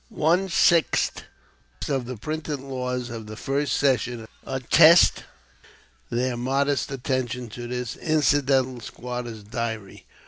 One sixth of the printed laws of the first session attest their modest attention to this incidental squatters' dowry.